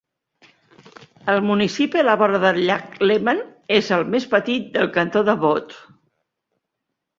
El municipi a la vora del llac Léman és el més petit del cantó de Vaud.